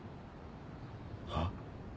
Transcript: はっ？